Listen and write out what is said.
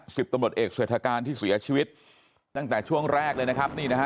สิบตำรวจเอกเศรษฐการที่เสียชีวิตตั้งแต่ช่วงแรกเลยนะครับนี่นะฮะ